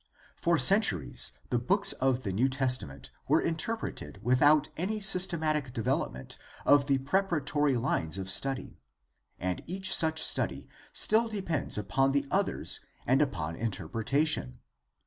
For centuries the books of the New Testament were interpreted without any systematic development of the preparatory lines of study, and each such study still depends upon the others and upon inter pretation.